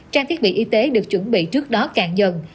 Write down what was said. trang thiết bị y tế được chuẩn bị trước đó càng dần